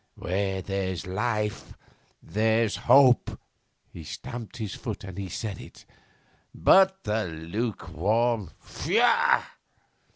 'Where there's life there's hope,' he stamped his foot as he said it, 'but the lukewarm pfui!